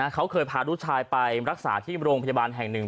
เขาเคยพาลูกชายไปรักษาที่โรงพยาบาลแห่งหนึ่ง